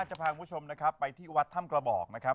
จะพาคุณผู้ชมนะครับไปที่วัดถ้ำกระบอกนะครับ